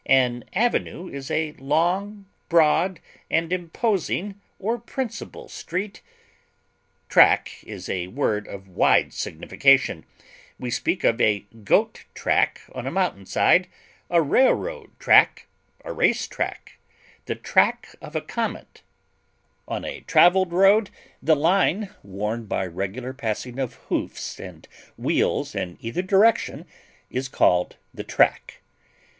An avenue is a long, broad, and imposing or principal street. Track is a word of wide signification; we speak of a goat track on a mountain side, a railroad track, a race track, the track of a comet; on a traveled road the line worn by regular passing of hoofs and wheels in either direction is called the track.